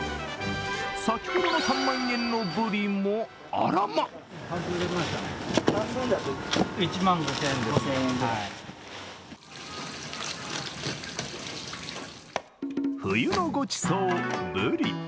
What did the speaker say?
先ほどの３万円のブリも、あらま冬のごちそう、ぶり。